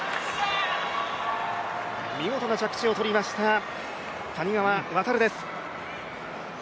見事な着地を取りました谷川航です。